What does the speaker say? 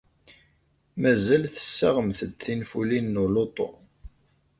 Mazal tessaɣemt-d tinfulin n uluṭu?